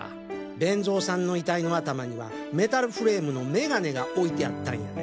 勉造さんの遺体の頭にはメタルフレームの眼鏡が置いてあったんやで？